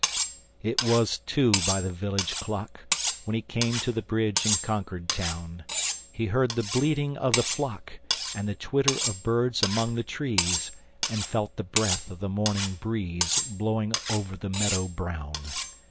It was two by the village clock, When he came to the bridge in Concord town. He heard the bleating of the flock, And the twitter of birds among the trees, And felt the breath of the morning breeze Blowing over the meadows brown.